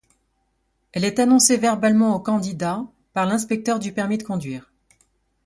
Elle est annoncée verbalement au candidat par l'inspecteur du permis de conduire.